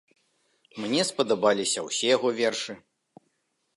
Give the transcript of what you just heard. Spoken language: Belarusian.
Мне спадабаліся ўсе яго вершы.